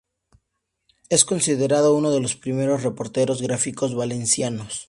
Es considerado uno de los primeros reporteros gráficos valencianos.